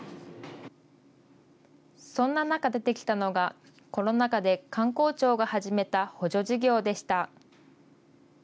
そんな中、出てきたのが、コロナ禍で観光庁が始めた補助事業でした。